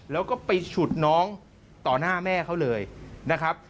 แล้วก็ไปฉุดน้องต่อหน้าแม่เขาเลยนะครับ